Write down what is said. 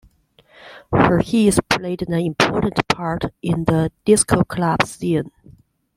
Her hits played an important part in the disco club scene.